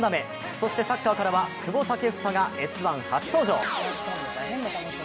そしてサッカーからは久保建英が「Ｓ☆１」初登場。